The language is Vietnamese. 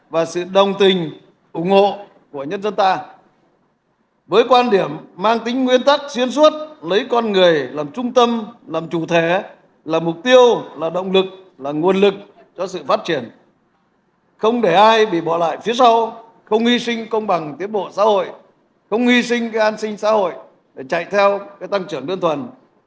và sự đồng tình ủng hộ của nhân dân